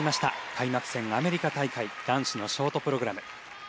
開幕戦アメリカ大会男子のショートプログラム。